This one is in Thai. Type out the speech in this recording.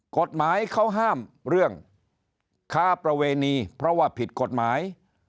กฎหมายเขาห้ามเรื่องค้าประเวณีเพราะว่าผิดกฎหมาย